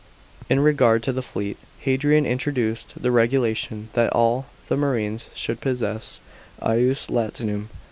In regard to the fleet, Hadrian introduced the regulation that all the marines should possess ius Latinum.